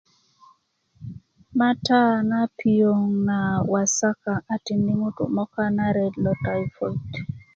mata na piöŋ na wasaka a tindi ŋutu möka na ret lo taipot